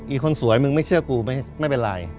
อีกคนสวยมึงไม่เชื่อกูไม่เป็นไร